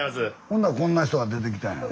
ほなこんな人が出てきたんや。